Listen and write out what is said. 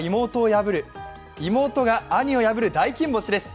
妹が兄を破る、大金星です。